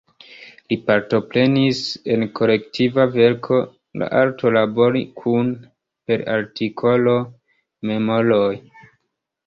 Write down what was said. Li partoprenis en kolektiva verko "La arto labori kune" per artikolo "Memoroj".